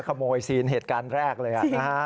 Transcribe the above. ขโมยซีนเหตุการณ์แรกเลยนะฮะ